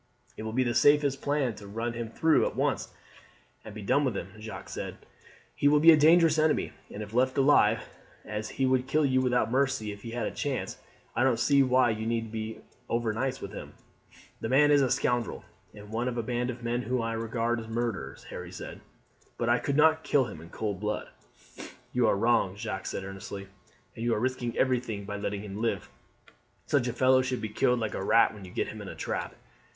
"It will be the safest plan to run him through at once and have done with him," Jacques said. "He will be a dangerous enemy if he is left alive; and as he would kill you without mercy if he had a chance, I don't see why you need be overnice with him." "The man is a scoundrel, and one of a band of men whom I regard as murderers," Harry said; "but I could not kill him in cold blood." "You are wrong," Jacques said earnestly, "and you are risking everything by letting him live. Such a fellow should be killed like a rat when you get him in a trap."